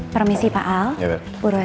permisi pak aldi baran